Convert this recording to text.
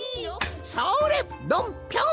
「それドンピョン」。